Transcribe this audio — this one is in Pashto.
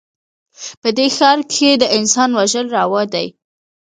په دې ښـار کښې د انسان وژل روا دي